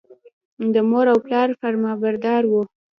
د مور او پلار فرمانبردار و.